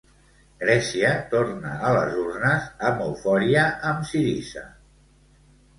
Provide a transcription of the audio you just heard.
Grècia torna a les urnes amb eufòria amb Syriza.